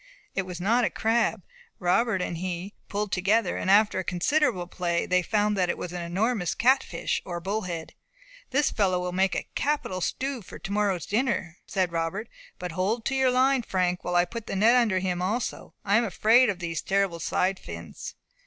It was not a crab. Robert and he pulled together, and after considerable play, they found that it was an enormous cat fish or bull head. "This fellow will make a capital stew for tomorrow's dinner," said Robert. "But hold to your line, Frank, while I put the net under him also. I am afraid of these terrible side fins."